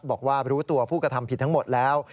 บอกว่ารู้ตัวผู้กระทำผิดทั้งหมดแล้ว